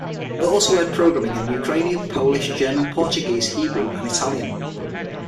It also aired programming in Ukrainian, Polish, German, Portuguese, Hebrew and Italian.